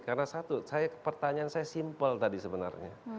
karena satu pertanyaan saya simpel tadi sebenarnya